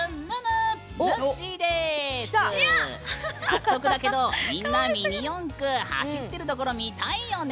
早速だけどみんなミニ四駆走ってるところ見たいよね？